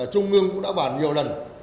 trung ương cũng đã bàn nhiều lần